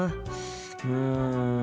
うん。